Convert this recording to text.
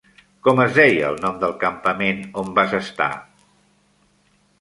Com es deia el nom del campament on vas estar?